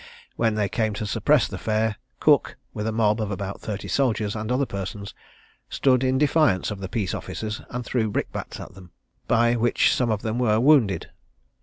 When they came to suppress the fair, Cook, with a mob of about thirty soldiers, and other persons, stood in defiance of the peace officers, and threw brickbats at them, by which some of them were wounded.